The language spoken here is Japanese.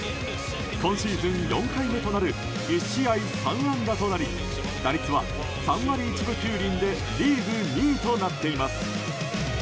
今シーズン４回目となる１試合３安打となり打率は３割１分９厘でリーグ２位となっています。